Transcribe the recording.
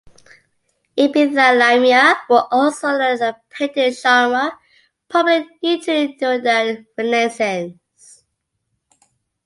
Epithalamia were also a painting genre popular in Italy during the Renaissance.